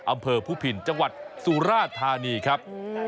อำเภอภูพินจังหวัดสุราธานีครับ